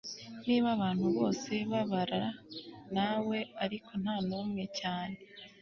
Niba abantu bose babara nawe ariko ntanumwe cyane